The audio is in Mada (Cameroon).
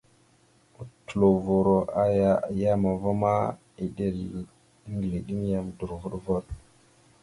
Otlovo aya a yam va ma, eɗel eŋgleɗeŋ yam dorvoɗvoɗ.